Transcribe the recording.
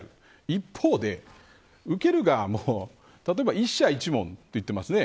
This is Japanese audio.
一方で、受ける側も例えば、一社一門と言ってますね。